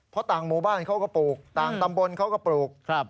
เพราะต่างหมู่บ้านเขาก็ปลูกต่างตำบลเขาก็ปลูก